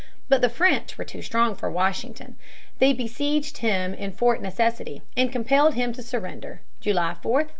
But the French were too strong for Washington. They besieged him in Fort Necessity and compelled him to surrender (July 4, 1754).